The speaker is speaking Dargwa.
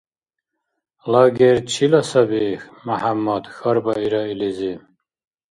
— Лагерь чила саби, МяхӀяммад? — хьарбаира илизи.